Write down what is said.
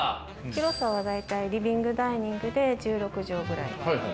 広さは、だいたいリビングダイニングで１６帖くらい。